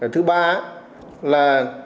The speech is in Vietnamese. thứ ba là